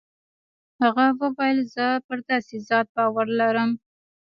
هغه وويل زه پر داسې ذات باور لرم.